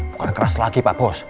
bukan keras lagi pak bos